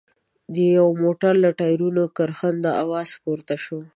د يوه موټر له ټايرونو کرښنده اواز پورته شو.